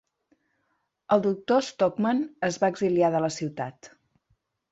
El doctor Stockmann es va exiliar de la ciutat.